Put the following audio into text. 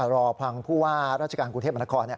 รอพังเพราะว่าราชการกรุงเทพฯบรรทคอ